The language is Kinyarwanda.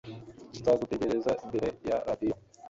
Nzagutegereza imbere ya radio.